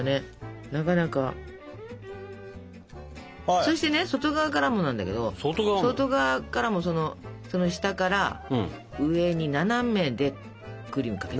そしてね外側からもなんだけど外側からもその下から上に斜めでクリームかけて。